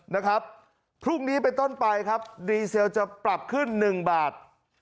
นะครับพรุ่งนี้เป็นต้นไปครับดีเซลจะปรับขึ้นหนึ่งบาท